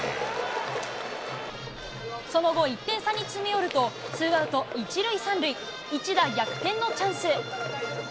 その後、１点差に詰め寄ると、ツーアウト１塁３塁、一打逆転のチャンス。